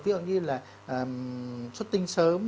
ví dụ như là xuất tinh sớm